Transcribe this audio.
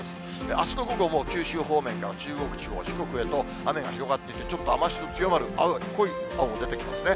あすの午後も九州方面から中国地方、四国へと雨が広がっていって、ちょっと雨足の強まる、濃い青も出てきますね。